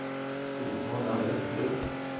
Stortån är alldeles blå.